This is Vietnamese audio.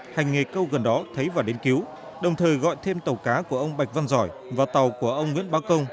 hành nghề câu gần đó thấy và đến cứu đồng thời gọi thêm tàu cá của ông bạch văn giỏi và tàu của ông nguyễn báo công